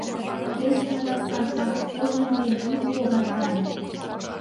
— Кеч, манам, Аркаш, тыйже мыйым ит когартаре!